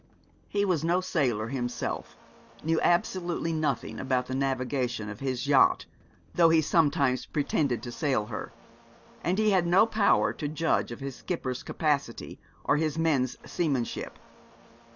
He was no sailor himself, knew absolutely nothing about the navigation of his yacht, though he sometimes pretended to sail her; and he had no power to judge of his skipper's capacity or his men's seamanship.